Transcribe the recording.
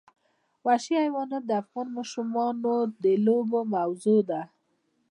وحشي حیوانات د افغان ماشومانو د لوبو موضوع ده.